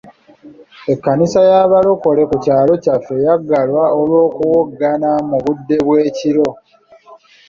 Ekkanisa y'abalokole ku kyalo kyaffe yaggalwa olw'okuwoggana mu budde bw'ekiro.